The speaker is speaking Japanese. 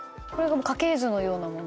家系図のようなものですかね。